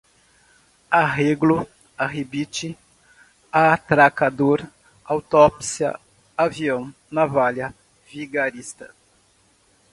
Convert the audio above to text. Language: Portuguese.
arrêglo, arribite, atracador, autópsia, avião, navalha, vigarista